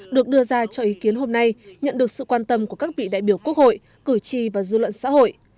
được đưa ra cho ý kiến hôm nay nhận được sự quan tâm của các vị đại biểu quốc hội cử tri và dư luận xã hội